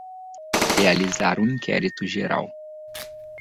Realizar um inquérito geral